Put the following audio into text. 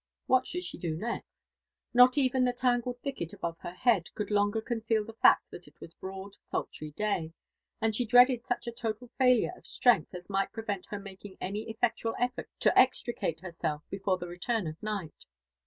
What should she do Belt? Not even the tangled thicket above her head eontd longer eoneeal the fact that it was broad sultry day, and she dreaded such a total failure of strength as might prevent her making any effectual effort to extricate herself before the return of night.